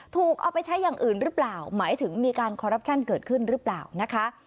ถูกเอาไปใช้อย่างอื่นหรือเปล่าหมายถึงมีการคอรัปชั่นเกิดขึ้นหรือเปล่านะคะ